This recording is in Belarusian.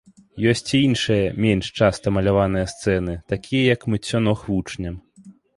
Ёсць і іншыя, менш часта маляваныя сцэны, такія як мыццё ног вучням.